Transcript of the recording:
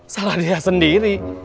salah dia sendiri